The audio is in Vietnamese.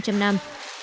để chào đón các bạn